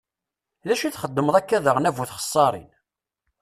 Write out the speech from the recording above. D acu i txedmeḍ akka daɣen, a bu txeṣṣarin?